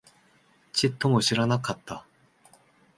ちっとも知らなかった